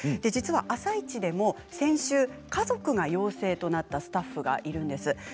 実は「あさイチ」でも先週、家族が陽性となったスタッフがいるんです。